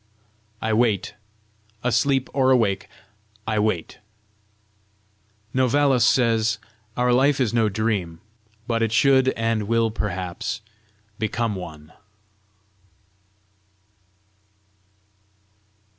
I wait; asleep or awake, I wait. Novalis says, "Our life is no dream, but it should and will perhaps become one."